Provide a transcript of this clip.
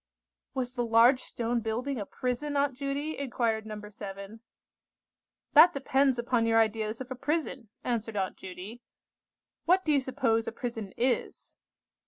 "Was the large stone building a prison, Aunt Judy?" inquired No. 7. "That depends upon your ideas of a prison," answered Aunt Judy. "What do you suppose a prison is?"